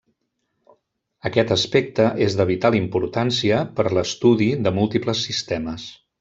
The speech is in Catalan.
Aquest aspecte és de vital importància per a l'estudi de múltiples sistemes.